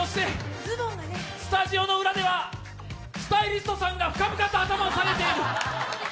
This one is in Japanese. スタジオの裏ではスタイリストさんが深々と頭を下げて。